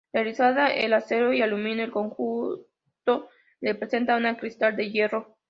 Realizada en acero y aluminio, el conjunto representa un cristal de hierro.